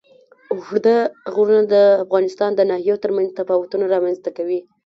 اوږده غرونه د افغانستان د ناحیو ترمنځ تفاوتونه رامنځ ته کوي.